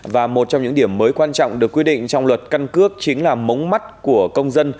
và một trong những điểm mới quan trọng được quy định trong luật căn cước chính là mống mắt của công dân